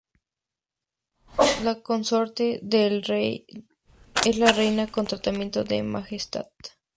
La consorte del rey es la reina con tratamiento de majestad.